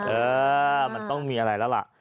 เออมันต้องมีอะไรแล้วล่ะ